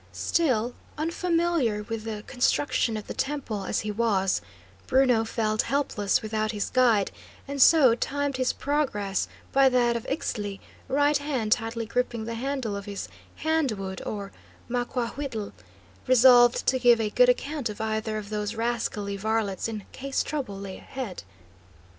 Still, unfamiliar with the construction of the temple as he was, Bruno felt helpless without his guide, and so timed his progress by that of Ixtli, right hand tightly gripping the handle of his "hand wood," or maquahuitl, resolved to give a good account of either of those rascally varlets in case trouble lay ahead.